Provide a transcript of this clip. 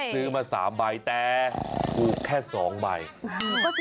ซื้อมา๓ใบแต่ถูกแค่๒ใบ